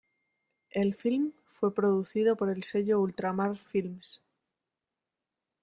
El filme fue producido por el sello Ultramar Films.